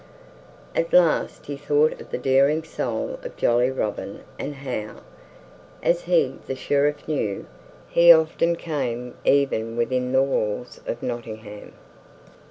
At last he thought of the daring soul of jolly Robin and how, as he the Sheriff knew, he often came even within the walls of Nottingham.